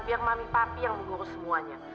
biar mami pati yang mengurus semuanya